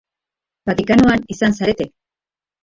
Vaticanoan izan zarete?